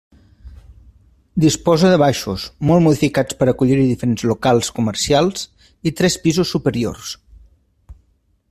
Disposa de baixos, molt modificats per acollir-hi diferents locals comercials i tres pisos superiors.